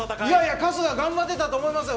春日、頑張ってたと思いますよ。